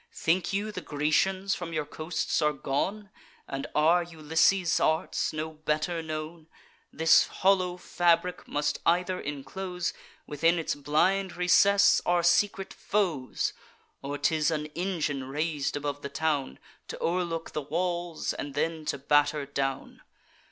Think you the Grecians from your coasts are gone? And are Ulysses' arts no better known? This hollow fabric either must inclose, Within its blind recess, our secret foes; Or 'tis an engine rais'd above the town, T' o'erlook the walls, and then to batter down.